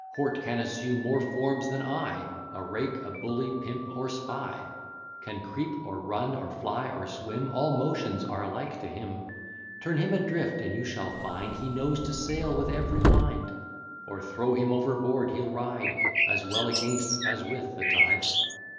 Hort can assume more forms than I, A rake, a bully, pimp, or spy; Can creep, or run, or fly, or swim; All motions are alike to him: Turn him adrift, and you shall find He knows to sail with every wind; Or, throw him overboard, he'll ride As well against as with the tide.